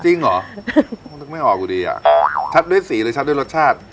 จริงเหรอคงนึกไม่ออกอยู่ดีอ่ะชัดด้วยสีหรือชัดด้วยรสชาติ